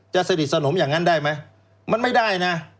สนิทสนมอย่างนั้นได้ไหมมันไม่ได้นะ